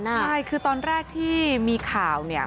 ใช่คือตอนแรกที่มีข่าวเนี่ย